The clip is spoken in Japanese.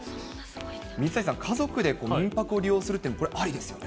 水谷さん、家族で民泊を利用するって、これありですよね。